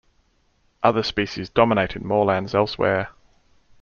Other species dominate in moorlands elsewhere.